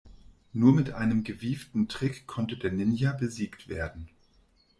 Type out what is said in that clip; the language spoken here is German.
Nur mit einem gewieften Trick konnte der Ninja besiegt werden.